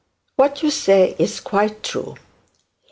What you say is quite true.